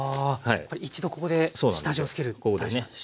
一度ここで下味をつける大事なんですね。